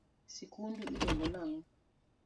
Sikundu iluongo nang’o?